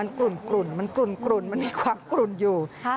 นี่ค่ะนี่นี่นี่นี่